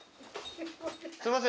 すいません。